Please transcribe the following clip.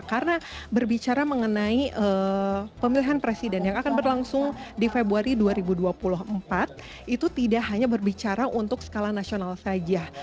karena berbicara mengenai pemilihan presiden yang akan berlangsung di februari dua ribu dua puluh empat itu tidak hanya berbicara untuk skala nasional saja